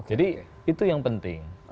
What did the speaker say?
jadi itu yang penting